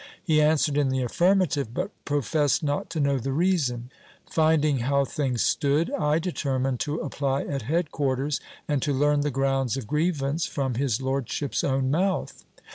He answered in the affirmative, but professed not to know the reason. Finding how things stood, I determined to apply at head quarters, and to learn the grounds of grievance from his lordship's own mouth.